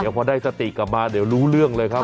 พอได้สติกลับมาเดี๋ยวรู้เรื่องเลยครับ